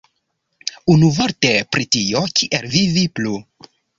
Unuvorte, pri tio, kiel vivi plu.